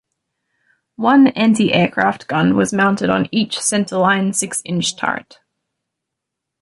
One anti-aircraft gun was mounted on each center-line six-inch turret.